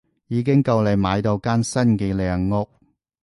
已經夠你買到間新嘅靚屋